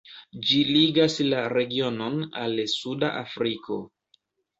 Ĝi ligas la regionon al suda Afriko.